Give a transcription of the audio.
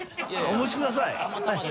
お持ちください。